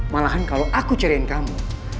malahan kalo aku cerain kamu